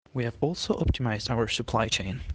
We have also optimised our supply chain.